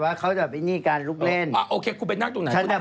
พี่พฤษฐานเชิญนะฮะหญิงกลางหญิงกลางหญิงกลางหญิงกลางต้องไปรับข้างโน้นน่ะไหม